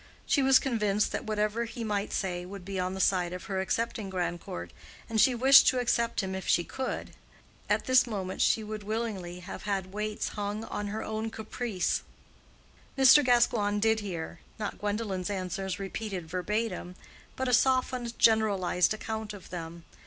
She was convinced that whatever he might say would be on the side of her accepting Grandcourt, and she wished to accept him if she could. At this moment she would willingly have had weights hung on her own caprice. Mr. Gascoigne did hear—not Gwendolen's answers repeated verbatim, but a softened generalized account of them.